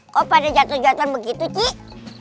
kok pada jatuh jatuh begitu cik